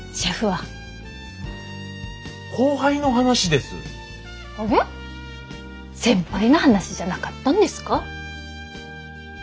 アゲ先輩の話じゃなかったんですか？